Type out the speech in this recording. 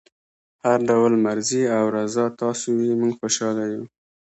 هر ډول مرضي او رضای تاسو وي موږ خوشحاله یو.